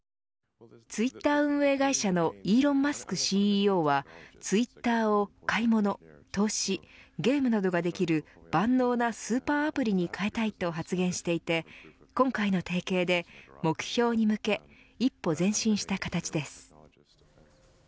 ツイッター運営会社のイーロン・マスクＣＥＯはツイッターを、買い物、投資ゲームなどができる万能なスーパーアプリに変えたいと発言していて今回の提携で目標に向け一歩前進した形です。